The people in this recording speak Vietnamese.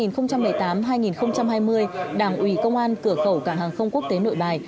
trong nhiệm kỳ hai nghìn một mươi tám hai nghìn hai mươi đảng ủy công an cửa khẩu cảng hàng không quốc tế nội bài